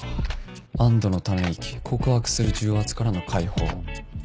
安堵のため息告白する重圧からの解放